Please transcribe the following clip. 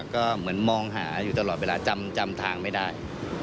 ก็เหมือนมองหาอยู่ตลอดเวลาจำทางไม่ได้